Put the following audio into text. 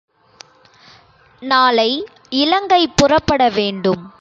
நாளை இலங்கை புறப்பட வேண்டும்.